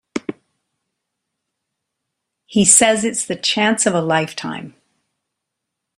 He says it's the chance of a lifetime.